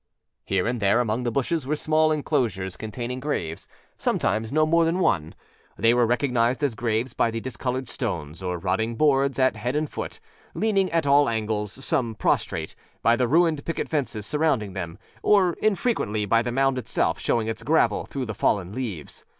â Here and there among the bushes were small inclosures containing graves, sometimes no more than one. They were recognized as graves by the discolored stones or rotting boards at head and foot, leaning at all angles, some prostrate; by the ruined picket fences surrounding them; or, infrequently, by the mound itself showing its gravel through the fallen leaves.